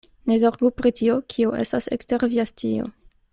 Ne zorgu pri tio, kio estas ekster via scio.